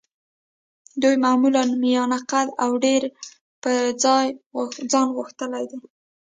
دوی معمولاً میانه قده او ډېر په ځان غښتلي دي.